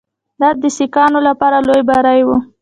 دا د سیکهانو لپاره لوی بری وو.